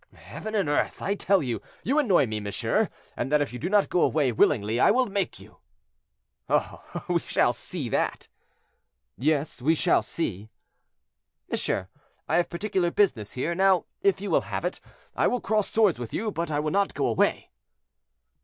"Heaven and earth! I tell you, you annoy me, monsieur, and that if you do not go away willingly I will make you." "Oh! oh! we shall see that." "Yes, we shall see." "Monsieur, I have particular business here. Now, if you will have it, I will cross swords with you, but I will not go away."